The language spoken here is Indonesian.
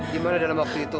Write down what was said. gimana dalam waktu itu